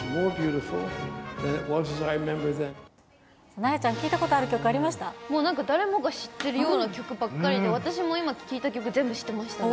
なえちゃん、もうなんか誰もが知ってるような曲ばっかりで、私も今、聞いた曲、全部知ってましたね。